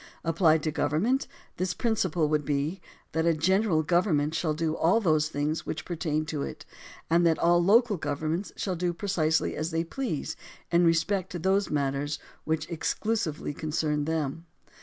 Applied to government, this principle would be, that a general government shall do all those things which per tain to it, and all the local governments shall do precisely as they please in respect to those matters which exclusively con cern them.